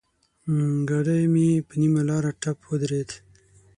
ګاډی مې پر نيمه لاره ټپ ودرېد.